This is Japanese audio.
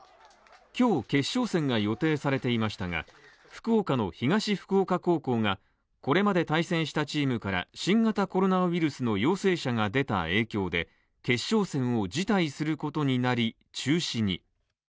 今日、決勝戦が予定されていましたが福岡の東福岡高校がこれまで対戦したチームから新型コロナウイルスの陽性者が出た影響で決勝戦を辞退することになり、中止に。